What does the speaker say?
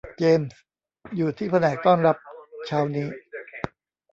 เจมส์ อยู่ที่แผนกต้อนรับเช้านี้